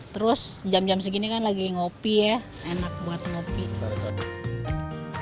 terus jam jam segini kan lagi ngopi ya enak buat ngopi